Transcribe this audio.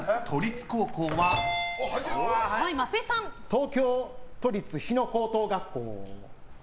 東京都立日野高等学校。